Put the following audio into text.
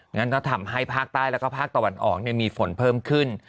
งั้นก็ทำให้ภาคใต้แล้วก็ภาคตะวันออกมีฝนเพิ่มขึ้น